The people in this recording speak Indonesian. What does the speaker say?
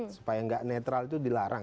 supaya nggak netral itu dilarang